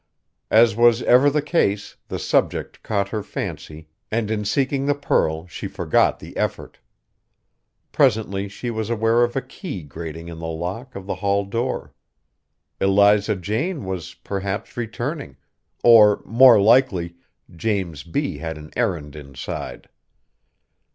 As was ever the case, the subject caught her fancy and in seeking the pearl she forgot the effort. Presently she was aware of a key grating in the lock of the hall door. Eliza Jane was, perhaps, returning; or more likely James B. had an errand inside.